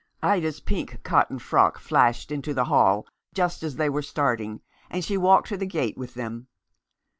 Ida's pink cotton frock flashed into the hall just as they were starting, and she walked to the gate with them.